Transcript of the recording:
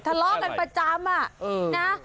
ทะเลาะกันประจำอ่ะนะ